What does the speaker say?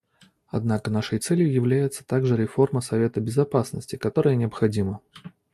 Однако нашей целью является также реформа Совета Безопасности, которая необходима.